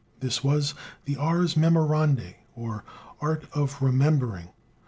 This was the "Ars Memorandi," or "Art of Remembering."